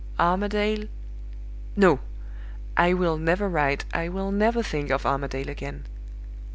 "Armadale "No! I will never write, I will never think of Armadale again.